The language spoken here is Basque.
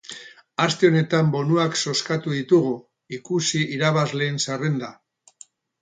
Aste honetan bonuak zozkatu ditugu, ikusi irabazleen zerrenda.